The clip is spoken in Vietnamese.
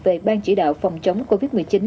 về ban chỉ đạo phòng chống covid một mươi chín